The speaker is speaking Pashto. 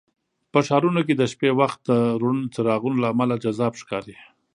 په ښارونو کې د شپې وخت د روڼ څراغونو له امله جذاب ښکاري.